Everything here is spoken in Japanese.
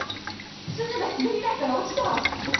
鈴が滑り台から落ちた？